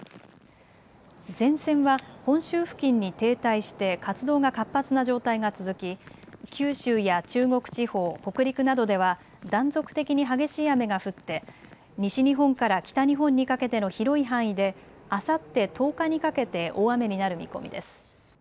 前線は本州付近に停滞して活動が活発な状態が続き九州や中国地方、北陸などでは断続的に激しい雨が降って西日本から北日本にかけての広い範囲であさって１０日にかけて大雨になる見込みです。